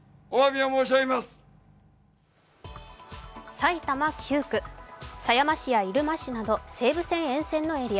埼玉９区、狭山市や入間市など西武線沿線のエリア。